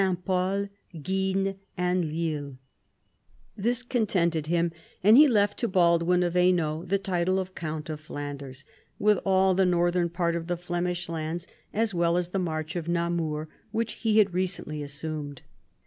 Pol, Gisnes, and Lille — this contented him, and he left to Baldwin of Hainault the title of count of Flanders, with all the northern part of the Flemish lands, as well as the march of Namur which he had recently assumed.